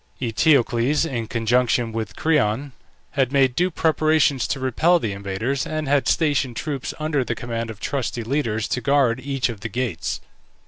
Eteocles, in conjunction with Creon, had made due preparations to repel the invaders, and had stationed troops, under the command of trusty leaders, to guard each of the gates.